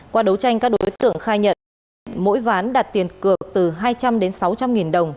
qua đấu tranh các đối tượng khai nhận mỗi ván đạt tiền cược từ hai trăm linh đến sáu trăm linh nghìn đồng